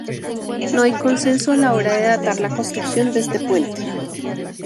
No hay consenso a la hora de datar la construcción de este puente.